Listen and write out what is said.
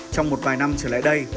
trong một vài năm trở lại đây